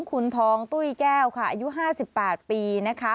คุณทองตุ้ยแก้วค่ะอายุ๕๘ปีนะคะ